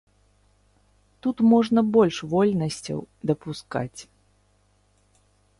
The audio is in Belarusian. Тут можна больш вольнасцяў дапускаць.